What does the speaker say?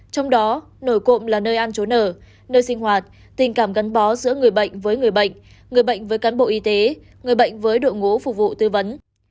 trong đó nổi cộng là nơi ăn trốn ở nơi sinh hoạt tình cảm gắn bó giữa người bệnh với người bệnh người bệnh với cán bộ y tế người bệnh với đội ngũ phục vụ tư vấn